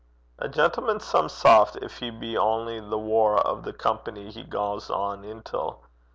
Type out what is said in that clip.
'A gentleman 's some saft gin he be ony the waur o' the company he gangs in till.